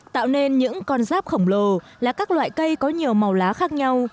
tạo nên những con ráp khổng lồ là các loại cây có nhiều màu lá khác nhau